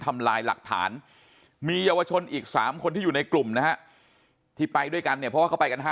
ทำลายหลักฐานมีเยาวชนอีก๓คนที่อยู่ในกลุ่มนะฮะที่ไปด้วยกันเนี่ยเพราะว่าเขาไปกัน๕